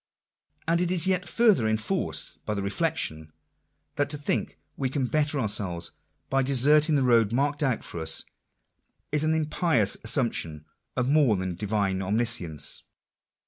And it is yet further enforced by the reflection, that to think we can better our selves by deserting the road marked out for us, is an impious assumption of more than divine omniscience.